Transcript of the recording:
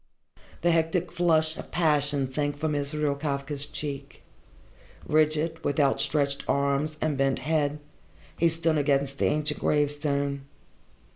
The hectic flush of passion sank from Israel Kafka's cheek. Rigid, with outstretched arms and bent head, he stood against the ancient gravestone.